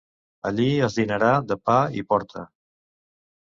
Allí es dinarà de pa i porta.